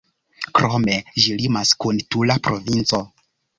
Krome, ĝi limas kun Tula provinco.